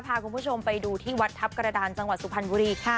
พาคุณผู้ชมไปดูที่วัดทัพกระดานจังหวัดสุพรรณบุรีค่ะ